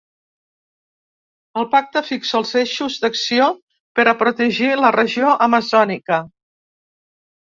El pacte fixa els eixos d’acció per a protegir la regió amazònica.